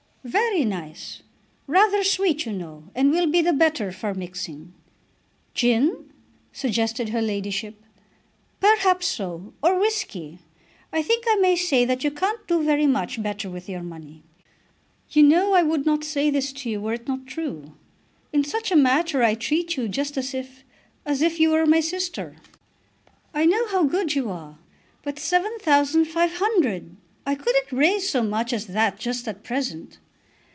"Very nice; rather sweet, you know, and will be the better for mixing." "Gin?" suggested her ladyship. "Perhaps so, or whisky. I think I may say that you can't do very much better with your money. You know I would not say this to you were it not true. In such a matter I treat you just as if, as if you were my sister." "I know how good you are, but seven thousand five hundred! I couldn't raise so much as that just at present."